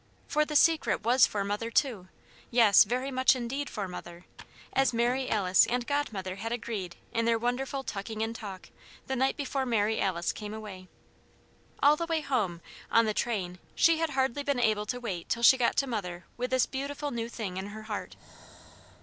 For the Secret was for Mother, too yes, very much indeed for Mother, as Mary Alice and Godmother had agreed in their wonderful "tucking in" talk the night before Mary Alice came away. All the way home, on the train, she had hardly been able to wait till she got to Mother with this beautiful new thing in her heart.